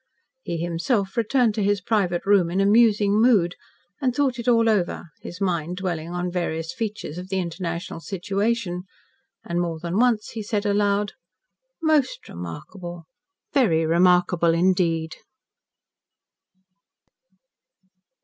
He himself returned to his private room in a musing mood and thought it all over, his mind dwelling on various features of the international situation, and more than once he said aloud: "Most remarkable. Very remarkable, indeed."